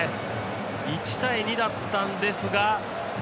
１対２だったんですが。